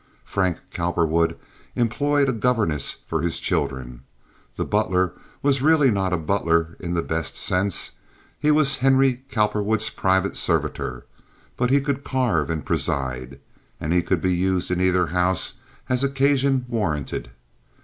Frank Cowperwood employed a governess for his children. The butler was really not a butler in the best sense. He was Henry Cowperwood's private servitor. But he could carve and preside, and he could be used in either house as occasion warranted.